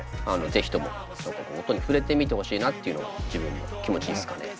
是非とも音に触れてみてほしいなっていうのが自分の気持ちですかね。